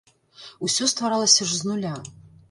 Усё стваралася ж з нуля.